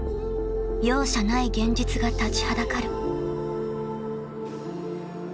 ［容赦ない現実が立ちはだかる］